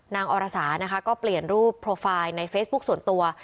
อรสานะคะก็เปลี่ยนรูปโปรไฟล์ในเฟซบุ๊คส่วนตัว